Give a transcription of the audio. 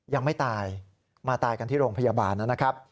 ยังไม่ตายมาตายกันที่โรงพยาบาลนะครับ